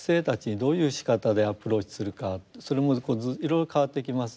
それもいろいろ変わってきます。